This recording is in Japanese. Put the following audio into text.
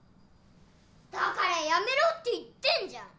だからやめろって言ってんじゃん！